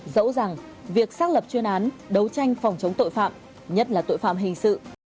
dẫu rằng việc xác lập chuyên án đấu tranh phòng chống tội phạm nhất là tội phạm hình sự